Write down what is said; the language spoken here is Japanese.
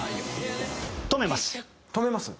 止めます。